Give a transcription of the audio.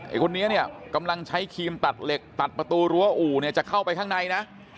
คนนี้เนี่ยกำลังใช้ครีมตัดเหล็กตัดประตูรั้วอู่เนี่ยจะเข้าไปข้างในนะ